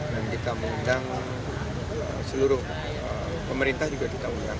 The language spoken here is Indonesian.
dan kita mengundang seluruh pemerintah juga kita mengundang